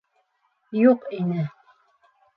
Юҡ ине!